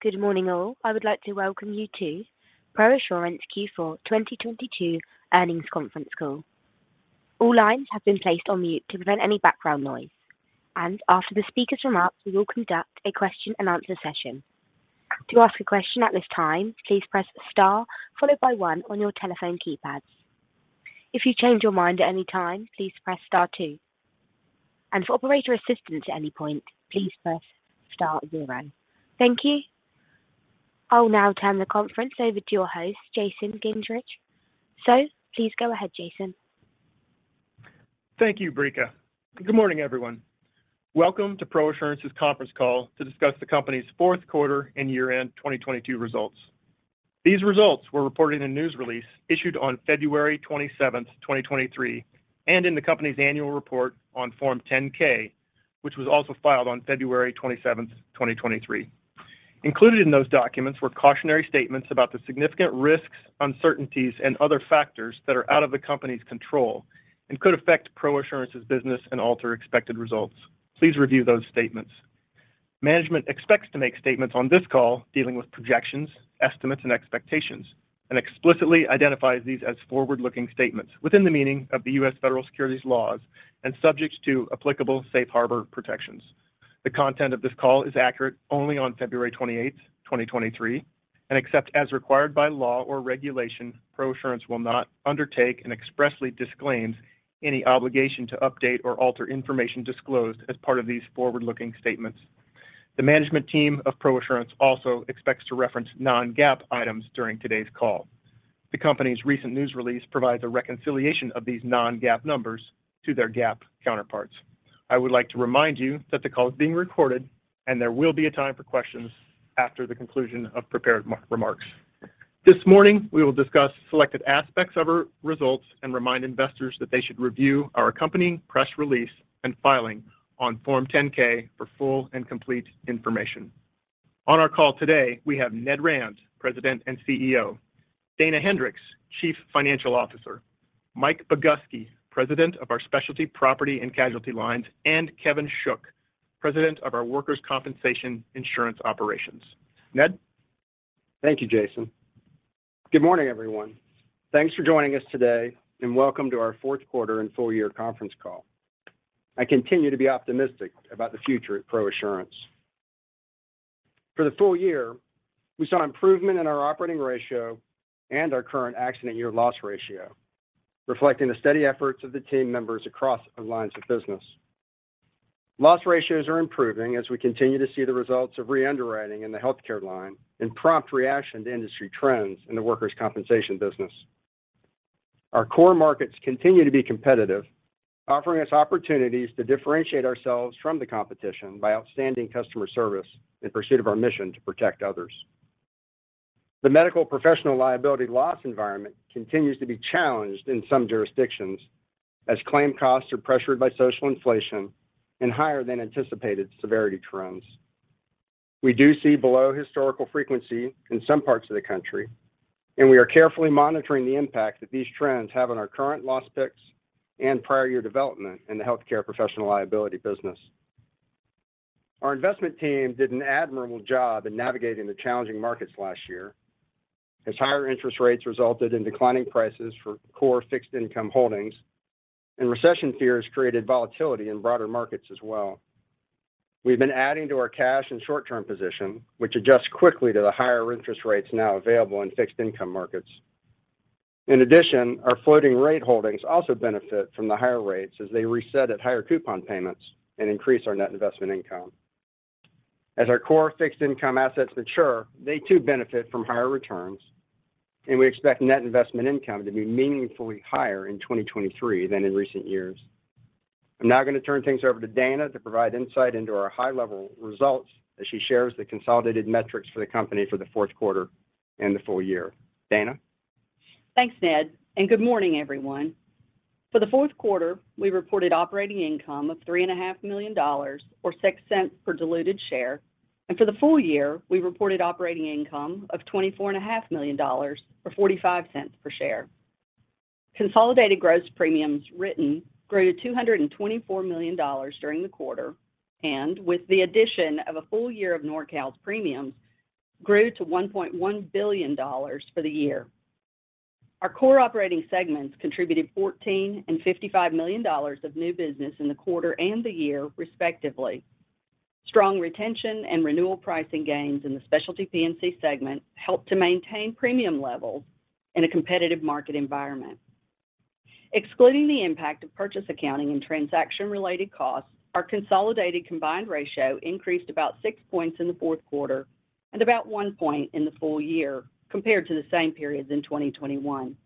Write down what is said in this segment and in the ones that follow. Good morning, all. I would like to welcome you to ProAssurance Q4 2022 earnings conference call. All lines have been placed on mute to prevent any background noise. After the speakers' remarks, we will conduct a question and answer session. To ask a question at this time, please press star followed by one on your telephone keypads. If you change your mind at any time, please press star two. For operator assistance at any point, please press star zero. Thank you. I'll now turn the conference over to your host, Jason Gingerich. Please go ahead, Jason. Thank you, Breica. Good morning, everyone. Welcome to ProAssurance's conference call to discuss the company's fourth quarter and year-end 2022 results. These results were reported in a news release issued on February 27th, 2023, and in the company's annual report on Form 10-K, which was also filed on February 27th, 2023. Included in those documents were cautionary statements about the significant risks, uncertainties, and other factors that are out of the company's control and could affect ProAssurance's business and alter expected results. Please review those statements. Management expects to make statements on this call dealing with projections, estimates, and expectations, and explicitly identifies these as forward-looking statements within the meaning of the U.S. federal securities laws and subjects to applicable safe harbor protections. The content of this call is accurate only on February 28th, 2023, and except as required by law or regulation, ProAssurance will not undertake and expressly disclaims any obligation to update or alter information disclosed as part of these forward-looking statements. The management team of ProAssurance also expects to reference non-GAAP items during today's call. The company's recent news release provides a reconciliation of these non-GAAP numbers to their GAAP counterparts. I would like to remind you that the call is being recorded and there will be a time for questions after the conclusion of prepared remarks. This morning, we will discuss selected aspects of our results and remind investors that they should review our accompanying press release and filing on Form 10-K for full and complete information. On our call today, we have Ned Rand, President and CEO, Dana Hendricks, Chief Financial Officer, Mike Boguski, President of our Specialty Property and Casualty lines, and Kevin Shook, President of our Workers' Compensation Insurance Operations. Ned. Thank you, Jason. Good morning, everyone. Thanks for joining us today. Welcome to our fourth quarter and full year conference call. I continue to be optimistic about the future at ProAssurance. For the full year, we saw improvement in our operating ratio and our current accident year loss ratio, reflecting the steady efforts of the team members across our lines of business. Loss ratios are improving as we continue to see the results of re-underwriting in the healthcare line and prompt reaction to industry trends in the workers' compensation business. Our core markets continue to be competitive, offering us opportunities to differentiate ourselves from the competition by outstanding customer service in pursuit of our mission to protect others. The medical professional liability loss environment continues to be challenged in some jurisdictions as claim costs are pressured by social inflation and higher than anticipated severity trends. We do see below historical frequency in some parts of the country, and we are carefully monitoring the impact that these trends have on our current loss picks and prior year development in the healthcare professional liability business. Our investment team did an admirable job in navigating the challenging markets last year as higher interest rates resulted in declining prices for core fixed income holdings and recession fears created volatility in broader markets as well. We've been adding to our cash and short-term position, which adjusts quickly to the higher interest rates now available in fixed income markets. In addition, our floating rate holdings also benefit from the higher rates as they reset at higher coupon payments and increase our net investment income. As our core fixed income assets mature, they too benefit from higher returns. We expect net investment income to be meaningfully higher in 2023 than in recent years. I'm now gonna turn things over to Dana to provide insight into our high-level results as she shares the consolidated metrics for the company for the fourth quarter and the full year. Dana. Thanks, Ned, and good morning, everyone. For the fourth quarter, we reported operating income of $3.5 million dollars or $0.06 per diluted share. For the full year, we reported operating income of $24.5 million or $0.45 per share. Consolidated gross premiums written grew to $224 million during the quarter, and with the addition of a full year of NORCAL's premiums, grew to $1.1 billion for the year. Our core operating segments contributed $14 million and $55 million of new business in the quarter and the year, respectively. Strong retention and renewal pricing gains in the Specialty P&C segment helped to maintain premium levels in a competitive market environment. Excluding the impact of purchase accounting and transaction-related costs, our consolidated combined ratio increased about six points in the fourth quarter and about one point in the full year compared to the same periods in 2021.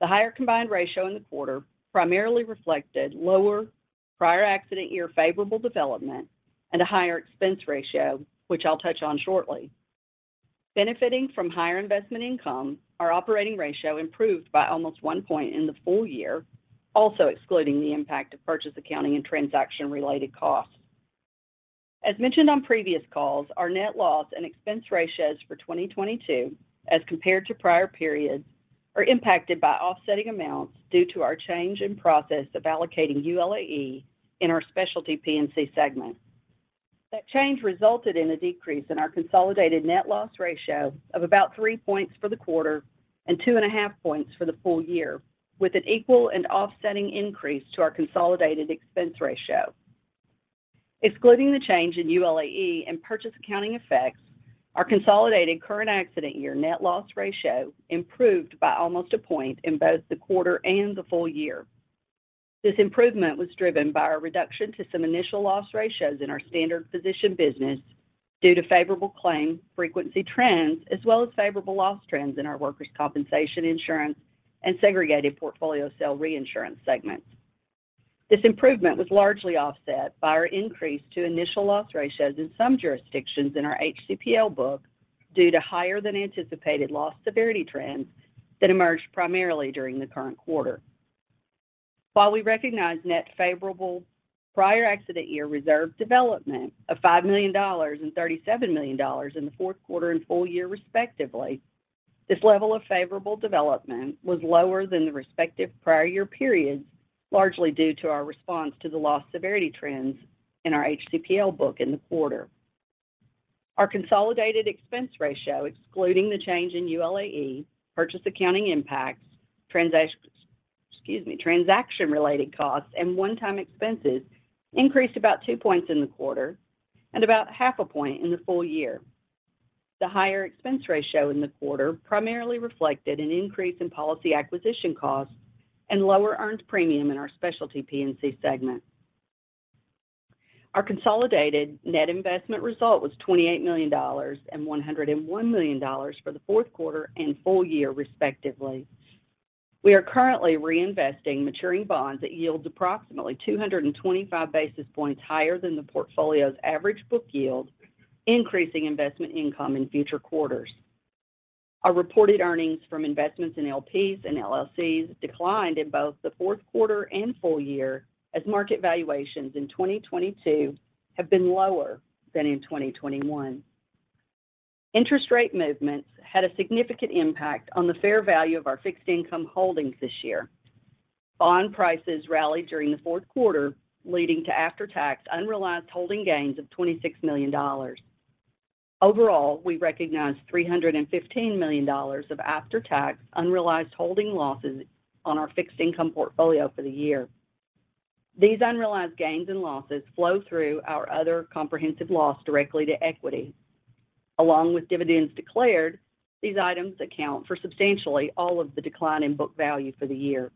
The higher combined ratio in the quarter primarily reflected lower prior accident year favorable development and a higher expense ratio, which I'll touch on shortly. Benefiting from higher investment income, our operating ratio improved by almost one point in the full year, also excluding the impact of purchase accounting and transaction-related costs. As mentioned on previous calls, our net loss and expense ratios for 2022 as compared to prior periods are impacted by offsetting amounts due to our change in process of allocating ULAE in our Specialty P&C segment. That change resulted in a decrease in our consolidated net loss ratio of about three points for the quarter and 2.5 points for the full year, with an equal and offsetting increase to our consolidated expense ratio. Excluding the change in ULAE and purchase accounting effects, our consolidated current accident year net loss ratio improved by almost a point in both the quarter and the full year. This improvement was driven by a reduction to some initial loss ratios in our standard physician business due to favorable claim frequency trends, as well as favorable loss trends in our Workers' Compensation Insurance and Segregated Portfolio Cell Reinsurance segments. This improvement was largely offset by our increase to initial loss ratios in some jurisdictions in our HCPL book due to higher than anticipated loss severity trends that emerged primarily during the current quarter. While we recognize net favorable prior accident year reserve development of $5 million and $37 million in the fourth quarter and full year respectively, this level of favorable development was lower than the respective prior year periods, largely due to our response to the loss severity trends in our HCPL book in the quarter. Our consolidated expense ratio, excluding the change in ULAE, purchase accounting impacts, transaction-related costs, and one-time expenses increased about two points in the quarter and about half a point in the full year. The higher expense ratio in the quarter primarily reflected an increase in policy acquisition costs and lower earned premium in our Specialty P&C segment. Our consolidated net investment result was $28 million and $101 million for the fourth quarter and full year respectively. We are currently reinvesting maturing bonds at yields approximately 225 basis points higher than the portfolio's average book yield, increasing investment income in future quarters. Our reported earnings from investments in LPs and LLCs declined in both the fourth quarter and full year as market valuations in 2022 have been lower than in 2021. Interest rate movements had a significant impact on the fair value of our fixed income holdings this year. Bond prices rallied during the fourth quarter, leading to after-tax unrealized holding gains of $26 million. Overall, we recognized $315 million of after-tax unrealized holding losses on our fixed income portfolio for the year. These unrealized gains and losses flow through our other comprehensive loss directly to equity. Along with dividends declared, these items account for substantially all of the decline in book value for the year.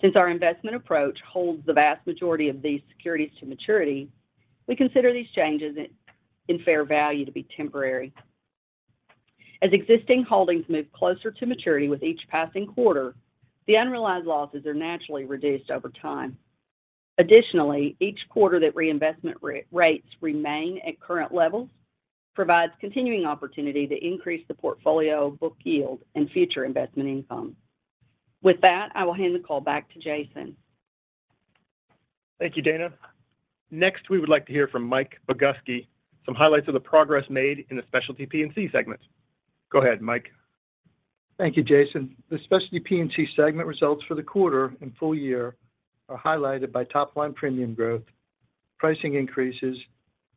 Since our investment approach holds the vast majority of these securities to maturity, we consider these changes in fair value to be temporary. As existing holdings move closer to maturity with each passing quarter, the unrealized losses are naturally reduced over time. Additionally, each quarter that reinvestment rates remain at current levels provides continuing opportunity to increase the portfolio book yield and future investment income. With that, I will hand the call back to Jason. Thank you, Dana. Next, we would like to hear from Mike Boguski, some highlights of the progress made in the Specialty P&C segment. Go ahead, Mike. Thank you, Jason. The Specialty P&C segment results for the quarter and full year are highlighted by top line premium growth, pricing increases,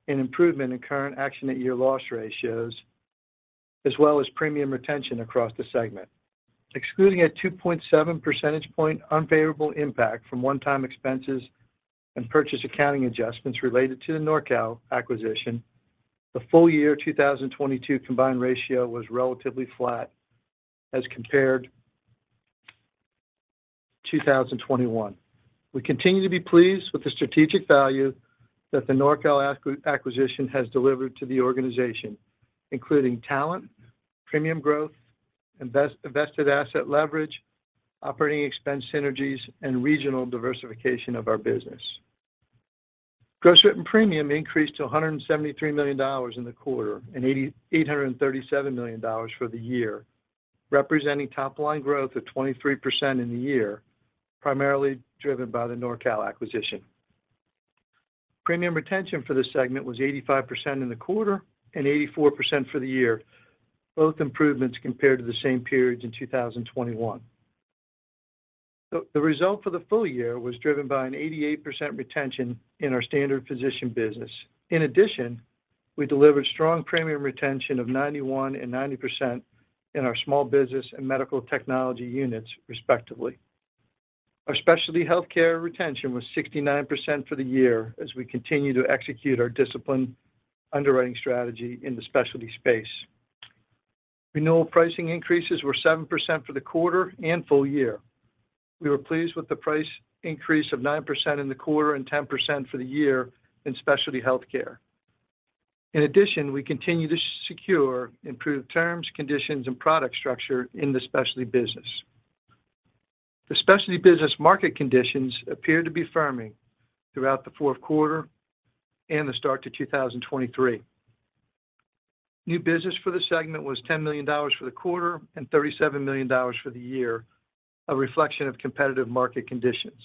and improvement in current accident year loss ratios, as well as premium retention across the segment. Excluding a 2.7 percentage point unfavorable impact from one-time expenses and purchase accounting adjustments related to the NORCAL acquisition, the full year 2022 combined ratio was relatively flat as compared 2021. We continue to be pleased with the strategic value that the NORCAL acquisition has delivered to the organization, including talent, premium growth, invested asset leverage, operating expense synergies, and regional diversification of our business. Gross written premium increased to $173 million in the quarter and $8,837 million for the year, representing top line growth of 23% in the year, primarily driven by the NORCAL acquisition. Premium retention for this segment was 85% in the quarter and 84% for the year, both improvements compared to the same periods in 2021. The result for the full year was driven by an 88% retention in our standard physician business. We delivered strong premium retention of 91% and 90% in our small business and medical technology units, respectively. Our specialty healthcare retention was 69% for the year as we continue to execute our disciplined underwriting strategy in the specialty space. Renewal pricing increases were 7% for the quarter and full year. We were pleased with the price increase of 9% in the quarter and 10% for the year in specialty healthcare. We continue to secure improved terms, conditions, and product structure in the specialty business. The Specialty business market conditions appeared to be firming throughout the fourth quarter and the start to 2023. New business for this segment was $10 million for the quarter and $37 million for the year, a reflection of competitive market conditions.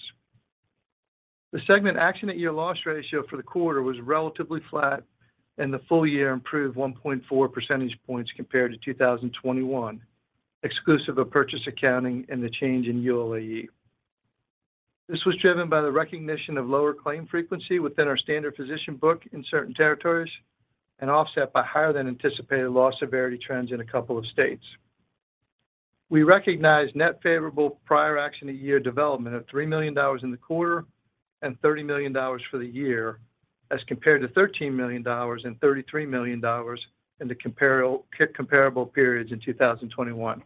The segment accident year loss ratio for the quarter was relatively flat. The full year improved 1.4 percentage points compared to 2021, exclusive of purchase accounting and the change in ULAE. This was driven by the recognition of lower claim frequency within our standard physician book in certain territories and offset by higher than anticipated loss severity trends in a couple of states. We recognize net favorable prior action a year development of $3 million in the quarter and $30 million for the year as compared to $13 million and $33 million in the comparable periods in 2021.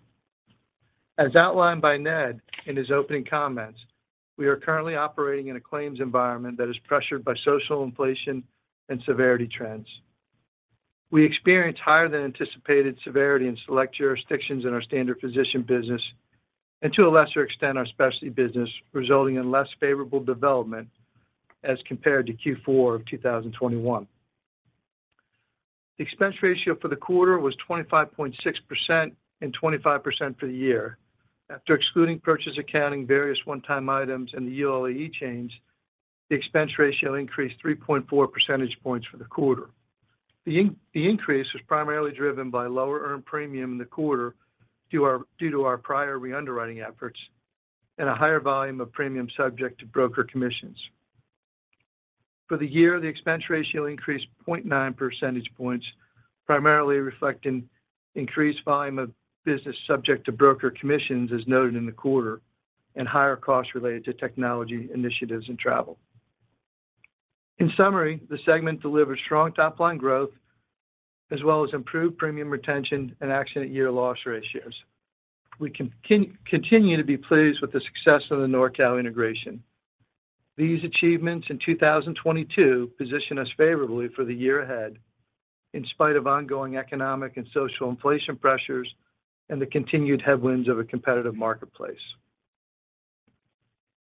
As outlined by Ned in his opening comments, we are currently operating in a claims environment that is pressured by social inflation and severity trends. We experience higher than anticipated severity in select jurisdictions in our standard physician business and to a lesser extent, our Specialty business, resulting in less favorable development as compared to Q4 of 2021. The expense ratio for the quarter was 25.6% and 25% for the year. After excluding purchase accounting, various one-time items, and the ULAE change, the expense ratio increased 3.4 percentage points for the quarter. The increase was primarily driven by lower earned premium in the quarter due to our prior re-underwriting efforts and a higher volume of premium subject to broker commissions. For the year, the expense ratio increased 0.9 percentage points, primarily reflecting increased volume of business subject to broker commissions, as noted in the quarter, and higher costs related to technology initiatives and travel. In summary, the segment delivered strong top-line growth as well as improved premium retention and accident year loss ratios. We continue to be pleased with the success of the NORCAL integration. These achievements in 2022 position us favorably for the year ahead in spite of ongoing economic and social inflation pressures and the continued headwinds of a competitive marketplace.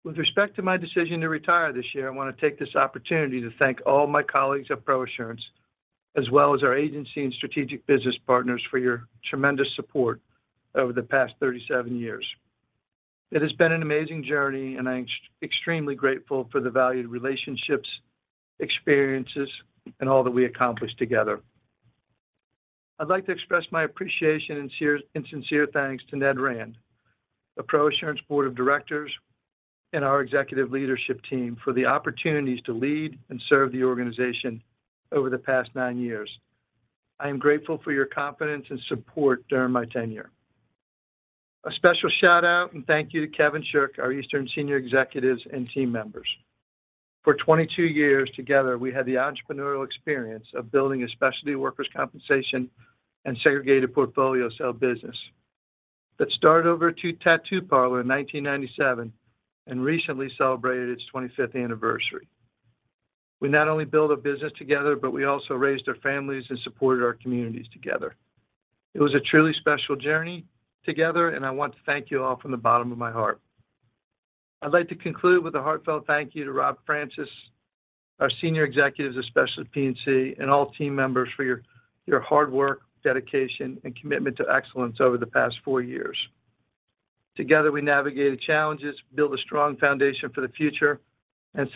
With respect to my decision to retire this year, I want to take this opportunity to thank all my colleagues at ProAssurance, as well as our agency and strategic business partners, for your tremendous support over the past 37 years. It has been an amazing journey, and I'm extremely grateful for the valued relationships, experiences, and all that we accomplished together. I'd like to express my appreciation and sincere thanks to Ned Rand, the ProAssurance Board of Directors, and our executive leadership team for the opportunities to lead and serve the organization over the past nine years. I am grateful for your confidence and support during my tenure. A special shout-out and thank you to Kevin Shook, our Eastern senior executives and team members. For 22 years together, we had the entrepreneurial experience of building a specialty workers' compensation and segregated portfolio cell business that started over at two tattoo parlor in 1997 and recently celebrated its 25th anniversary. We not only built a business together, but we also raised our families and supported our communities together. It was a truly special journey together, and I want to thank you all from the bottom of my heart. I'd like to conclude with a heartfelt thank you to Rob Francis, our senior executives, especially P&C, and all team members for your hard work, dedication, and commitment to excellence over the past four years. Together, we navigated challenges, built a strong foundation for the future, and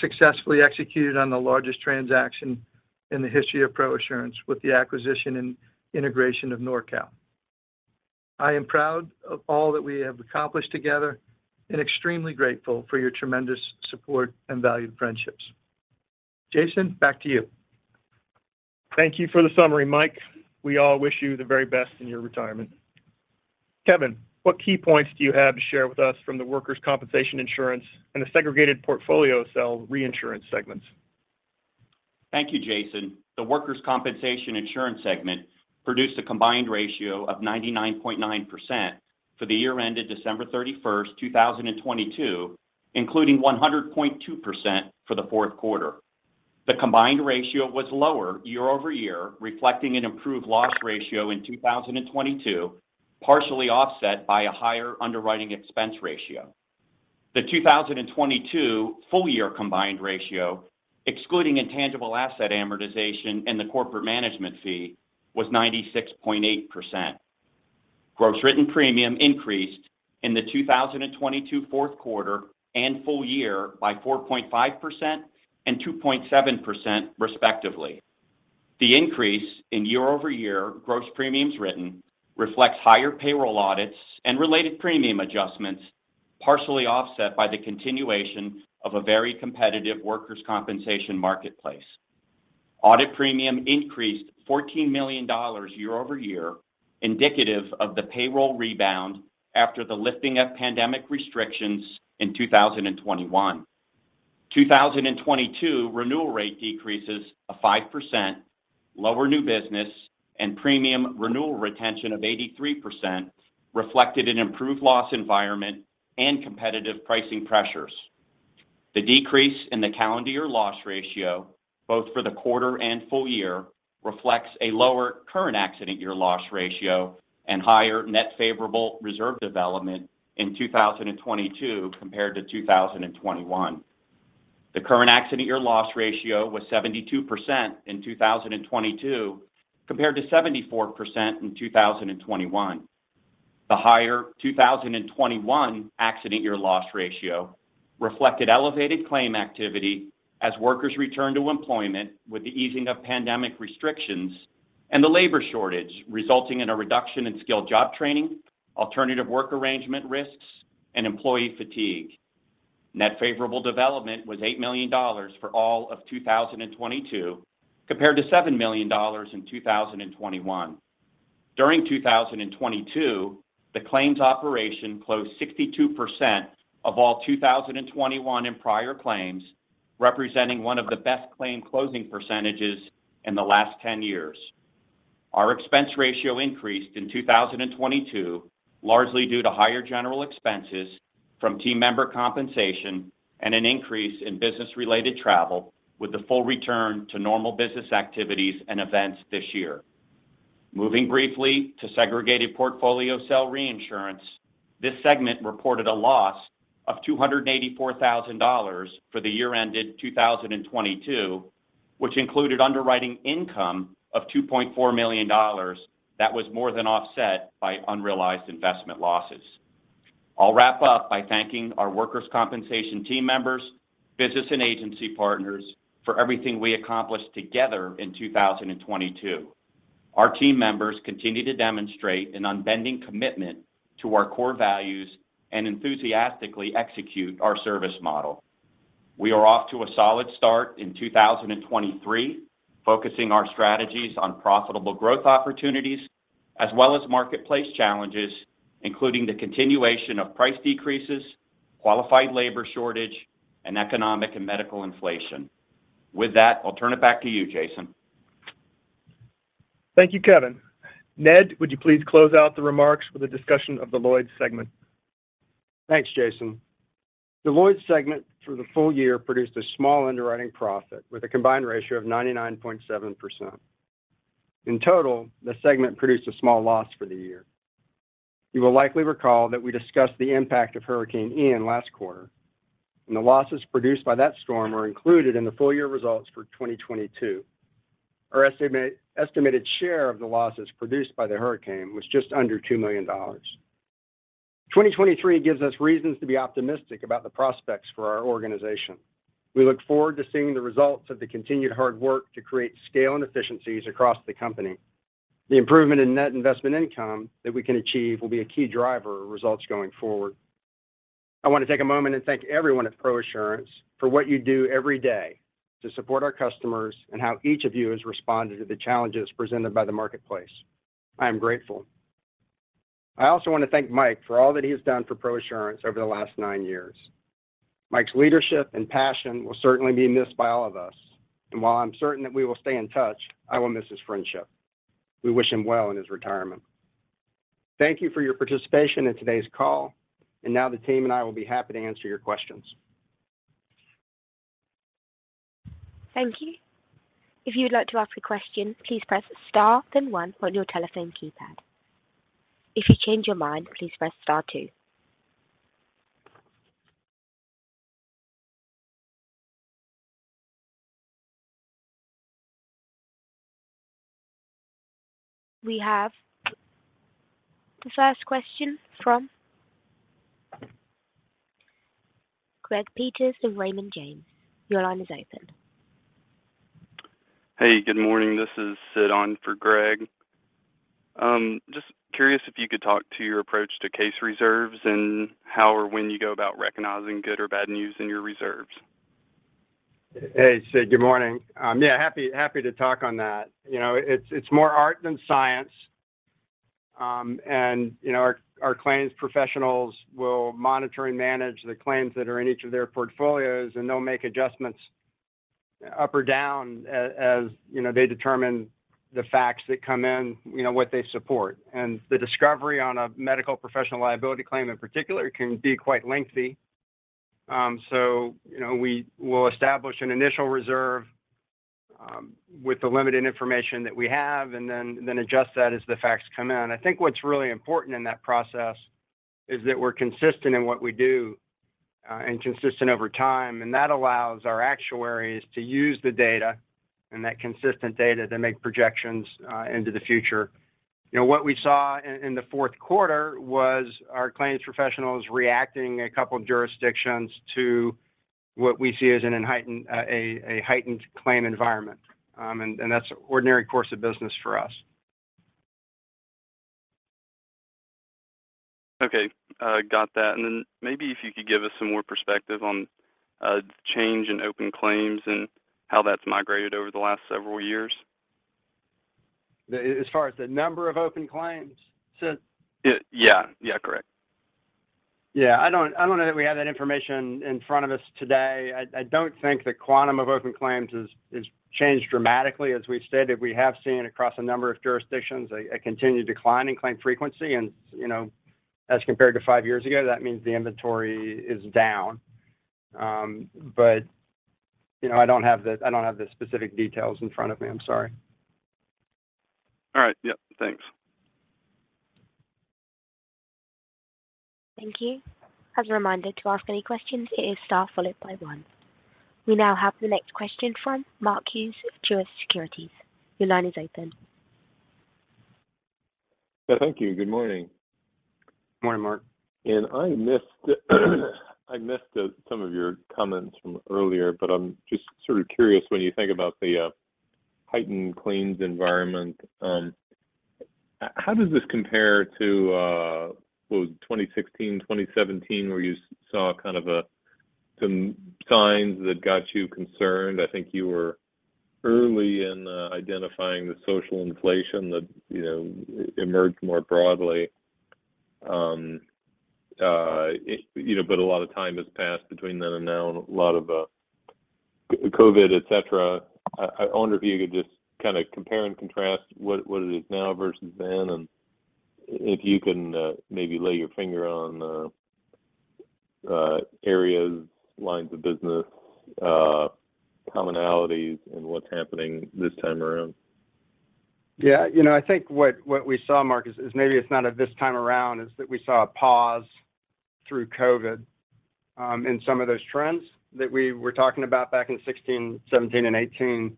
successfully executed on the largest transaction in the history of ProAssurance with the acquisition and integration of NORCAL. I am proud of all that we have accomplished together and extremely grateful for your tremendous support and valued friendships. Jason, back to you. Thank you for the summary, Mike. We all wish you the very best in your retirement. Kevin, what key points do you have to share with us from the Workers' Compensation Insurance and the Segregated Portfolio Cell Reinsurance segments? Thank you, Jason. The Workers' Compensation Insurance segment produced a combined ratio of 99.9% for the year ended December 31st, 2022, including 100.2% for the fourth quarter. The combined ratio was lower year-over-year, reflecting an improved loss ratio in 2022, partially offset by a higher underwriting expense ratio. The 2022 full year combined ratio, excluding intangible asset amortization and the corporate management fee, was 96.8%. Gross written premium increased in the 2022 fourth quarter and full year by 4.5% and 2.7%, respectively. The increase in year-over-year gross premiums written reflects higher payroll audits and related premium adjustments, partially offset by the continuation of a very competitive workers' compensation marketplace. Audit premium increased $14 million year-over-year, indicative of the payroll rebound after the lifting of pandemic restrictions in 2021. 2022 renewal rate decreases of 5%, lower new business, and premium renewal retention of 83% reflected an improved loss environment and competitive pricing pressures. The decrease in the calendar year loss ratio, both for the quarter and full year, reflects a lower current accident year loss ratio and higher net favorable reserve development in 2022 compared to 2021. The current accident year loss ratio was 72% in 2022 compared to 74% in 2021. The higher 2021 accident year loss ratio reflected elevated claim activity as workers returned to employment with the easing of pandemic restrictions and the labor shortage, resulting in a reduction in skilled job training, alternative work arrangement risks, and employee fatigue. Net favorable development was $8 million for all of 2022, compared to $7 million in 2021. During 2022, the claims operation closed 62% of all 2021 and prior claims, representing one of the best claim closing percentages in the last 10 years. Our expense ratio increased in 2022, largely due to higher general expenses from team member compensation and an increase in business-related travel with the full return to normal business activities and events this year. Moving briefly to Segregated Portfolio Cell Reinsurance, this segment reported a loss of $284,000 for the year ended 2022, which included underwriting income of $2.4 million that was more than offset by unrealized investment losses. I'll wrap up by thanking our workers' compensation team members, business and agency partners for everything we accomplished together in 2022. Our team members continue to demonstrate an unbending commitment to our core values and enthusiastically execute our service model. We are off to a solid start in 2023, focusing our strategies on profitable growth opportunities as well as marketplace challenges, including the continuation of price decreases, qualified labor shortage, and economic and medical inflation. With that, I'll turn it back to you, Jason. Thank you, Kevin. Ned, would you please close out the remarks with a discussion of the Lloyd's segment? Thanks, Jason. The Lloyd's segment for the full year produced a small underwriting profit with a combined ratio of 99.7%. In total, the segment produced a small loss for the year. You will likely recall that we discussed the impact of Hurricane Ian last quarter. The losses produced by that storm are included in the full year results for 2022. Our estimated share of the losses produced by the hurricane was just under $2 million. 2023 gives us reasons to be optimistic about the prospects for our organization. We look forward to seeing the results of the continued hard work to create scale and efficiencies across the company. The improvement in net investment income that we can achieve will be a key driver of results going forward. I want to take a moment and thank everyone at ProAssurance for what you do every day to support our customers and how each of you has responded to the challenges presented by the marketplace. I am grateful. I also want to thank Mike for all that he has done for ProAssurance over the last nine years. Mike's leadership and passion will certainly be missed by all of us. While I'm certain that we will stay in touch, I will miss his friendship. We wish him well in his retirement. Thank you for your participation in today's call. Now the team and I will be happy to answer your questions. Thank you. If you'd like to ask a question, please press star then one on your telephone keypad. If you change your mind, please press star two. We have the first question from Greg Peters of Raymond James. Your line is open. Hey, good morning. This is Sid on for Greg. Just curious if you could talk to your approach to case reserves and how or when you go about recognizing good or bad news in your reserves. Hey, Sid. Good morning. Yeah, happy to talk on that. You know, it's more art than science. You know, our claims professionals will monitor and manage the claims that are in each of their portfolios, and they'll make adjustments up or down as, you know, they determine the facts that come in, you know, what they support. The discovery on a medical professional liability claim, in particular, can be quite lengthy. So, you know, we will establish an initial reserve, with the limited information that we have and then adjust that as the facts come in. I think what's really important in that process is that we're consistent in what we do, and consistent over time. That allows our actuaries to use the data and that consistent data to make projections, into the future. You know, what we saw in the fourth quarter was our claims professionals reacting in a couple jurisdictions to what we see as a heightened claim environment. That's ordinary course of business for us. Okay. got that. Maybe if you could give us some more perspective on the change in open claims and how that's migrated over the last several years? As far as the number of open claims, Sid? Yeah. Yeah, correct. Yeah. I don't know that we have that information in front of us today. I don't think the quantum of open claims has changed dramatically as we've stated. We have seen across a number of jurisdictions a continued decline in claim frequency and, you know, as compared to five years ago, that means the inventory is down. You know, I don't have the specific details in front of me. I'm sorry. All right. Yep. Thanks. Thank you. As a reminder, to ask any questions, it is star followed by one. We now have the next question from Mark Hughes, Truist Securities. Your line is open. Thank you. Good morning. Morning, Mark. I missed the, some of your comments from earlier, but I'm just sort of curious when you think about the heightened claims environment, how does this compare to what was it, 2016, 2017 where you saw kind of a, some signs that got you concerned? I think you were early in identifying the social inflation that, you know, emerged more broadly. You know, a lot of time has passed between then and now and a lot of COVID, et cetera. I wonder if you could just kinda compare and contrast what it is now versus then, and if you can maybe lay your finger on areas, lines of business, commonalities in what's happening this time around? Yeah. You know, I think what we saw, Mark, is maybe it's not a this time around, is that we saw a pause through COVID, in some of those trends that we were talking about back in 2016, 2017,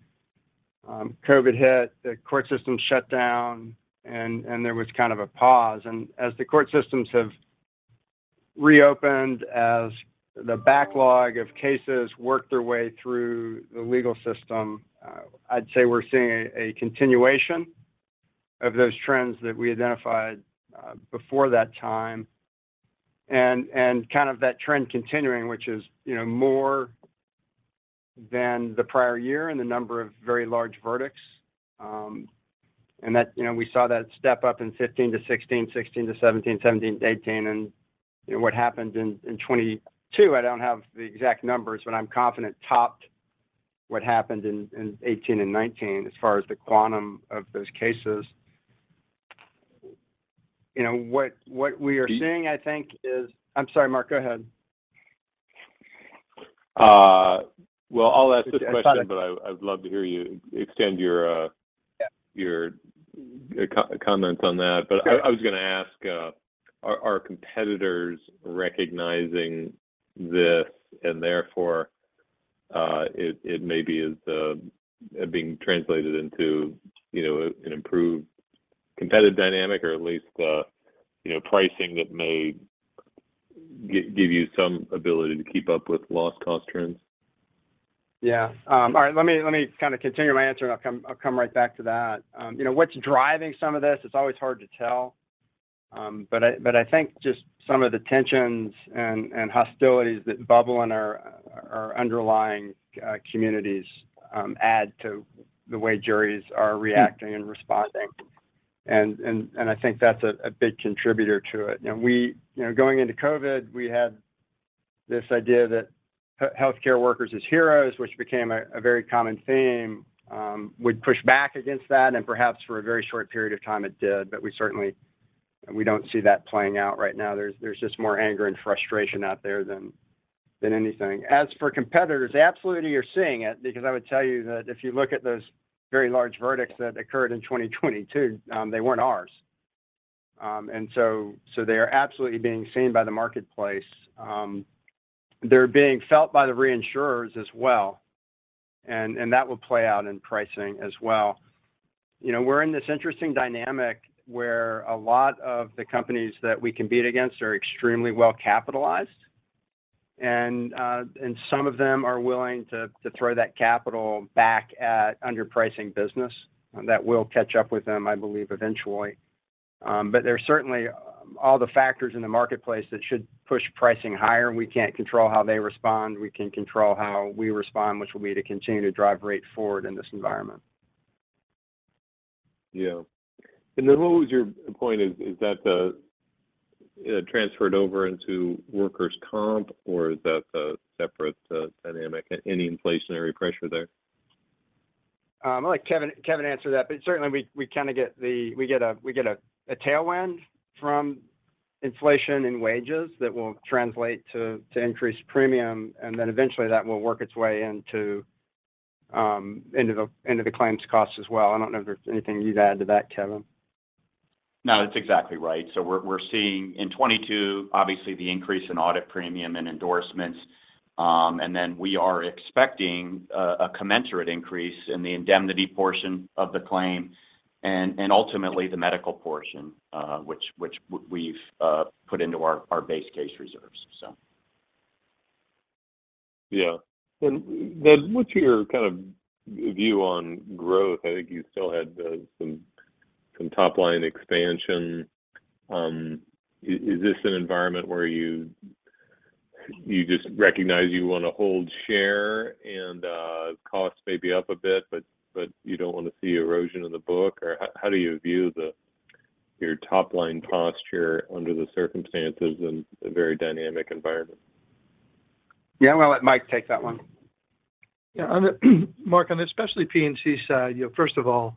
and 2018. COVID hit, the court system shut down, and there was kind of a pause. As the court systems have reopened, as the backlog of cases work their way through the legal system, I'd say we're seeing a continuation of those trends that we identified before that time. Kind of that trend continuing, which is, you know, more than the prior year in the number of very large verdicts. That, you know, we saw that step up in 2015-2016 to 2017-2018. You know, what happened in 2022, I don't have the exact numbers, but I'm confident topped what happened in 2018 and 2019 as far as the quantum of those cases. You know, what we are seeing, I think, is... I'm sorry, Mark. Go ahead. Well, I'll ask this question. It's fine. I'd love to hear you extend your. Yeah. ...your comments on that. Sure. I was gonna ask, are competitors recognizing this, and therefore, it maybe is, being translated into, you know, an improved competitive dynamic or at least, you know, pricing that may give you some ability to keep up with loss cost trends? Yeah. All right. Let me kind of continue my answer, and I'll come right back to that. You know, what's driving some of this, it's always hard to tell. I think just some of the tensions and hostilities that bubble in our underlying communities add to the way juries are reacting and responding. I think that's a big contributor to it. You know, we. You know, going into COVID, we had this idea that healthcare workers as heroes, which became a very common theme, would push back against that, and perhaps for a very short period of time, it did. We certainly don't see that playing out right now. There's just more anger and frustration out there than anything. As for competitors, absolutely you're seeing it because I would tell you that if you look at those very large verdicts that occurred in 2022, they weren't ours. So, they are absolutely being seen by the marketplace. They're being felt by the reinsurers as well, and that will play out in pricing as well. You know, we're in this interesting dynamic where a lot of the companies that we compete against are extremely well capitalized, and some of them are willing to throw that capital back at underpricing business. That will catch up with them, I believe, eventually. But there's certainly all the factors in the marketplace that should push pricing higher. We can't control how they respond. We can control how we respond, which will be to continue to drive rate forward in this environment. Yeah. What was your point? Is that transferred over into Workers' Comp, or is that a separate dynamic? Any inflationary pressure there? I'll let Kevin answer that, but certainly we get a tailwind from inflation in wages that will translate to increased premium, and then eventually that will work its way into the claims costs as well. I don't know if there's anything you'd add to that, Kevin. No, that's exactly right. We're seeing in 2022, obviously the increase in audit premium and endorsements, we are expecting a commensurate increase in the indemnity portion of the claim and ultimately the medical portion, which we've put into our base case reserves. Yeah. What's your kind of view on growth? I think you still had some top-line expansion. Is this an environment where you just recognize you wanna hold share and cost may be up a bit, but you don't wanna see erosion in the book? How do you view your top-line posture under the circumstances in a very dynamic environment? Yeah. I'm gonna let Mike take that one. Mark, on the Specialty P&C side, you know, first of all,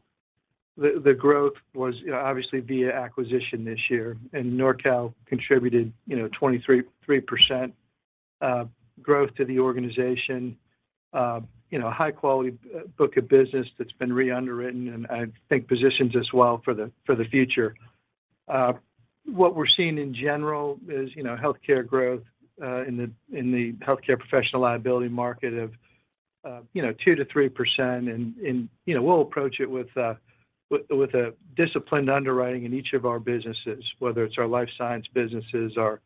the growth was, you know, obviously via acquisition this year. NORCAL contributed, you know, 23.3% growth to the organization. You know, high quality book of business that's been re-underwritten and I think positions us well for the future. What we're seeing in general is, you know, healthcare growth in the healthcare professional liability market of 2%-3%. We'll approach it with a disciplined underwriting in each of our businesses, whether it's our life sciences businesses, our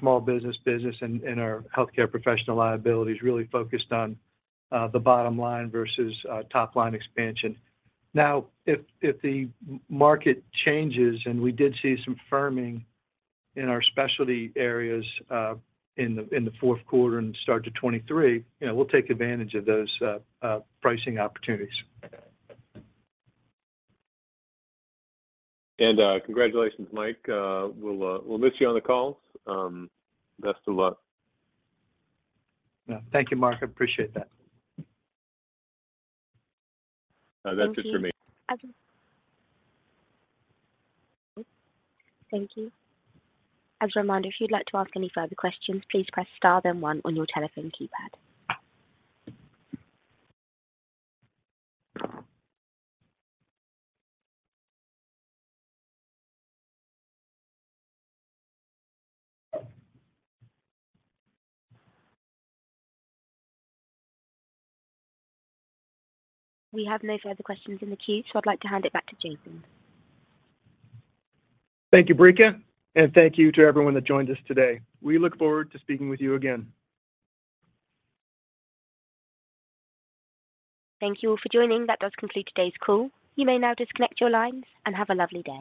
small business business, and our healthcare professional liability is really focused on the bottom line versus top-line expansion. Now, if the market changes, and we did see some firming in our specialty areas, in the fourth quarter and start to 2023, you know, we'll take advantage of those pricing opportunities. Congratulations, Mike. We'll miss you on the calls. Best of luck. Yeah. Thank you, Mark. I appreciate that. That's it for me. Thank you. As a reminder, if you'd like to ask any further questions, please press star then one on your telephone keypad. We have no further questions in the queue, I'd like to hand it back to Jason. Thank you, Breica, and thank you to everyone that joined us today. We look forward to speaking with you again. Thank you all for joining. That does conclude today's call. You may now disconnect your lines and have a lovely day.